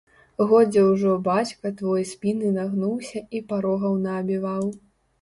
Годзе ўжо бацька твой спіны нагнуўся і парогаў наабіваў.